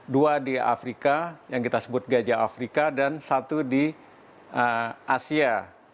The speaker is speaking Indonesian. dua di afrika yang kita sebut gajah afrika dan satu di asia